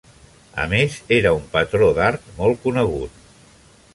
A més, era un patró d'art molt conegut.